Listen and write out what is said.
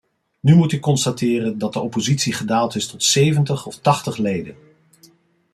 Nu moet ik constateren dat de oppositie gedaald is tot zeventig of tachtig leden.